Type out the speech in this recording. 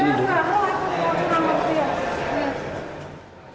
tidak tahu apa